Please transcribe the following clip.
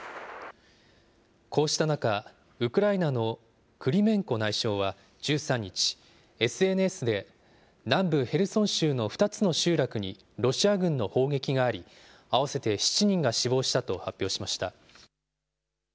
こうした中、ウクライナのクリメンコ内相は１３日、ＳＮＳで、南部ヘルソン州の２つの集落にロシア軍の砲撃があり、合わせて７人が死亡したと発表しました。